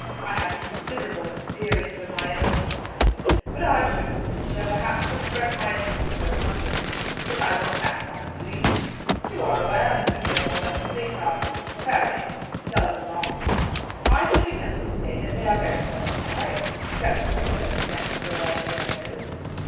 I have considerable experiences of my own in these matters; but I should not venture, perhaps, to express my opinion so confidently, if I were not backed by the police. You are aware, Mr. Gilmore, that the police are very seldom wrong?" "I should be tempted to say that they are very seldom right except when the circumstances are all under their noses."